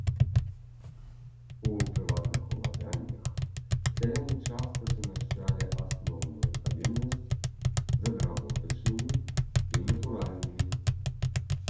У прыватных уладаннях сяляне часта сумяшчалі асноўную павіннасць з адработачнымі і натуральнымі.